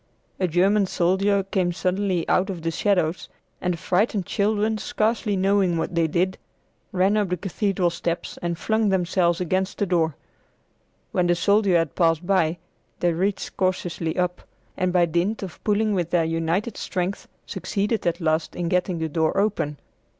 A German soldier came suddenly out of the shadows, and the frightened children, scarcely knowing what they did, ran up the cathedral steps and flung themselves against the door. When the soldier had passed by, they reached cautiously up, and by dint of pulling with their united strength succeeded at last in getting the door open.